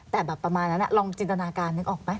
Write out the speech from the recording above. แต่แบบประมาณนั้นลองจินตนาการนึกออกไหม